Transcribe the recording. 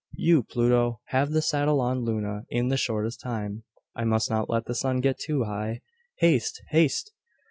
You, Pluto! have the saddle on Luna in the shortest time. I must not let the sun get too high. Haste! haste!"